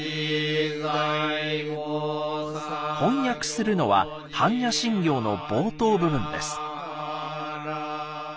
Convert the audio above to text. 翻訳するのは「般若心経」の冒頭部分です。